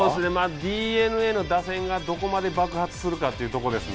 ＤｅＮＡの打線がどこまで爆発するかというところですね。